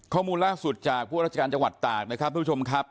ข้อมูลล่าสุดจากผู้ราชการจังหวัดตากนะครับทุกผู้ชมครับ